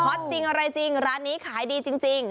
จริงอะไรจริงร้านนี้ขายดีจริง